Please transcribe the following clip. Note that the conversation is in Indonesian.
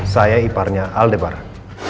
saya iparnya aldebaran